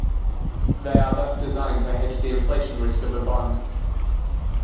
They are thus designed to hedge the inflation risk of a bond.